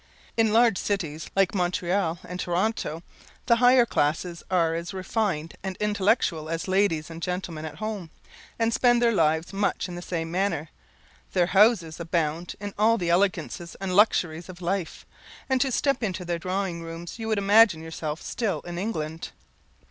In large cities, like Montreal and Toronto, the higher classes are as refined and intellectual as ladies and gentlemen at home, and spend their lives much in the same manner. Their houses abound in all the elegancies and luxuries of life, and to step into their drawing rooms you would imagine yourself still in England.